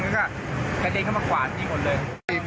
กระเด็นเข้ามาขวาที่นี่หมดเลย